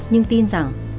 nhưng tin rằng